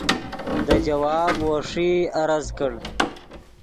دے جواب وو ݰئی عرض کڑ